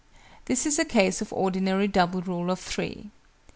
This is a case of ordinary Double Rule of Three.